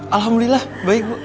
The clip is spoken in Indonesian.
alhamdulillah baik bu